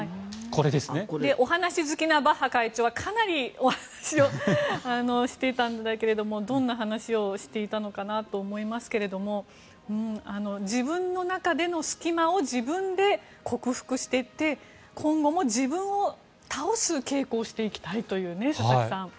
お話し好きなバッハ会長はかなりお話をしてたんだけれどもどんな話をしていたのかなと思いますけれども自分の中での隙間を自分で克服していって今後も自分を倒す稽古をしていきたいとね、佐々木さん。